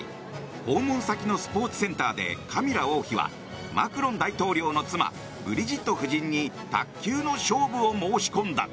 訪問先のスポーツセンターでカミラ王妃はマクロン大統領の妻ブリジット夫人に卓球の勝負を申し込んだ。